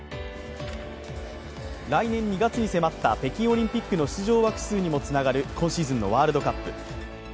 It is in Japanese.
来年２月に迫った北京オリンピックの出場枠数にもつながる今シーズンのワールドカップ。